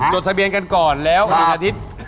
จดทะเบียนกันก่อนแล้ว๑อาทิตย์